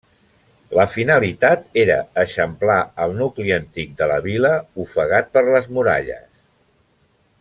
La finalitat era eixamplar el nucli antic de la vila, ofegat per les muralles.